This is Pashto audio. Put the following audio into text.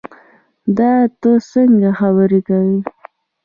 دا تۀ څنګه خبرې کوې